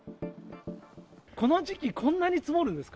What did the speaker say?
この時期こんなに積もるんですか？